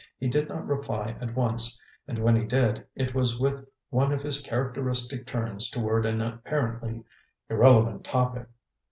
He did not reply at once, and when he did, it was with one of his characteristic turns toward an apparently irrelevant topic.